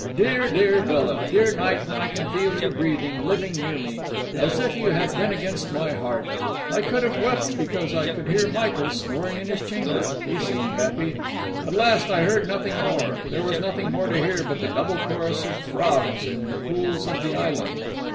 Dear, dear villa, dear night when I can feel you breathing, living near me. As if you had been against my heart. I could have wept because I could hear Michael snoring in his chamber. He seemed happy. At last, I heard nothing more, there was nothing more to hear but the double chorus of frogs in the pools of the island.